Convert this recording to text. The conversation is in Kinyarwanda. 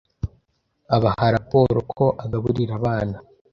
abaha raporo ko agaburira abana